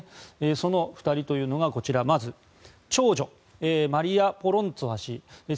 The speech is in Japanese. その２人というのがこちらまず長女マリヤ・ボロンツォワ氏。